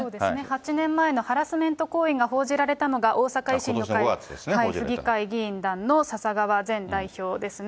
８年前のハラスメント行為が報じられたのが、大阪維新の会市議会議員団の笹川前代表ですね。